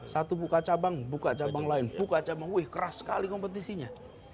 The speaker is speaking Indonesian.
satu buka cabang buka cabang lain buka cabang wih keras sekali kompetisinya